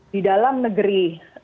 di dalam negeri